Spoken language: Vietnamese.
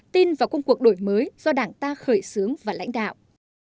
tin vào công cuộc đổi mới do đảng ta khởi xướng và lãnh đạo